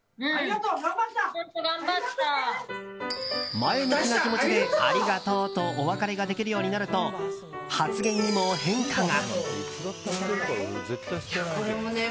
前向きな気持ちでありがとうとお別れができるようになると発言にも変化が。